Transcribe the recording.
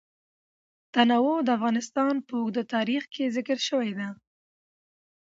تنوع د افغانستان په اوږده تاریخ کې ذکر شوی دی.